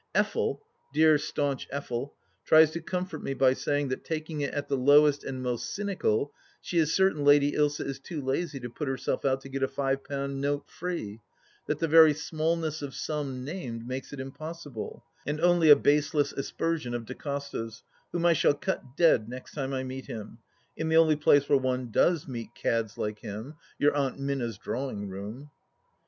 Effel, dear staunch Effel, tries to comfort me by saying, that taking it at the lowest and most cynical, she is certain Lady Ilsa is too lazy to put herself out to get a five pun' note free — that the very smallness of sum named makes it impossible, and only a baseless aspersion of D'Acosta's, whom I shall cut dead next time I meet him — in the only place where one does meet cads like him, your Aunt Minna's drawing room.